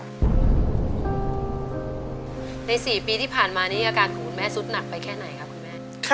ใน๔ปีที่ผ่านมานี้อาการของคุณแม่สุดหนักไปแค่ไหนครับคุณแม่